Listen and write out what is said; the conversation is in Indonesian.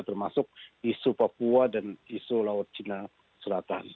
termasuk isu papua dan isu laut cina selatan